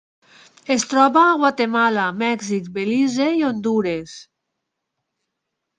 Es troba a Guatemala, Mèxic, Belize i Hondures.